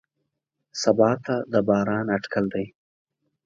سبا ته د باران اټکل دی.